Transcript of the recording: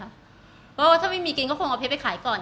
เพราะว่าถ้าไม่มีกินก็คงเอาเพชรไปขายก่อน